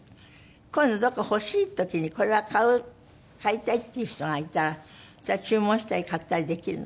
こういうのどこか欲しい時にこれは買いたいっていう人がいたらそれは注文したり買ったりできるの？